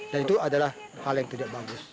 dan itu adalah hal yang tidak bagus